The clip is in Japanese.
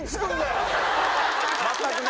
全くね。